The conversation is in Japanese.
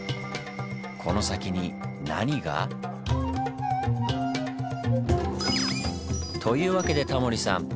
この先に何が？というわけでタモリさん